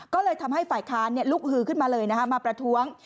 ก็เลยทำให้ฝ่ายค้านลุกฮือขึ้นมาเลยมาประท้วง